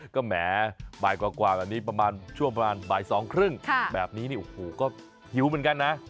ก็แหมบ่ายกว่าแบบนี้ประมาณช่วงประมาณบ่าย๒๓๐แบบนี้นี่โอ้โหก็หิวเหมือนกันนะ